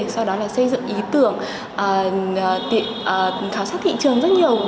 sau đó là xây dựng ý tưởng khảo sát thị trường rất nhiều